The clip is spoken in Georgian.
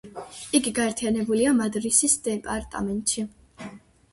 იგი გაერთიანებულია მადრისის დეპარტამენტში.